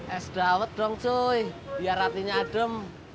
es dawet dong cuy biar rotinya adem